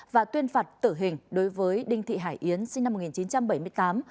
và tuyên phạt tử hình đối với đinh thị hải yến sinh năm một nghìn chín trăm bảy mươi tám